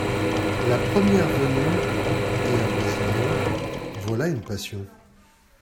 La première venue et un Brésilien… voilà une passion…